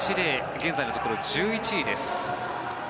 現在のところ１１位です。